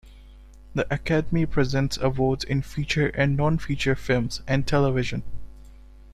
The Academy presents awards in feature and non-feature films, and television.